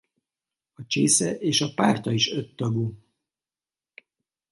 A csésze és a párta is öttagú.